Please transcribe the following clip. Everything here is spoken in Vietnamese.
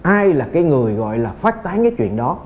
ai là cái người gọi là phát tán cái chuyện đó